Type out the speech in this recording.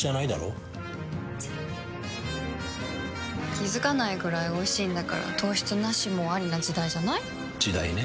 気付かないくらいおいしいんだから糖質ナシもアリな時代じゃない？時代ね。